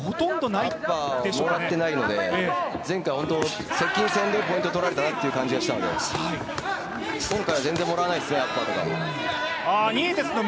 アッパーをもらっていないので、前回本当に接近戦でポイントを取られたなという感じだったので今回全然もらいないですね